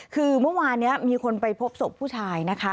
คือเมื่อวานนี้มีคนไปพบศพผู้ชายนะคะ